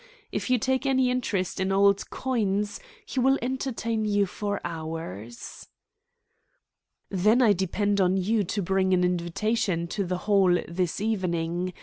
If you take any interest in old coins he will entertain you for hours." "Then I depend on you to bring an invitation to the Hall this evening.